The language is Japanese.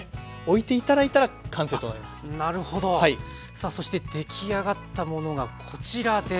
さあそして出来上がったものがこちらです。